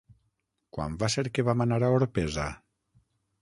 Quan va ser que vam anar a Orpesa?